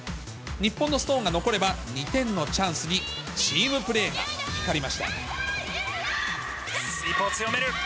日本のストーンが残れば２点のチャンスに、チームプレーが光りまスイープを強める。